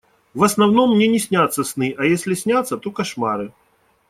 В основном мне не снятся сны, а если снятся, то кошмары.